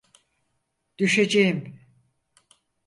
Düşeceğim!